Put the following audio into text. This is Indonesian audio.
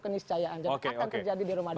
keniscayaan jadi akan terjadi di ramadhan ini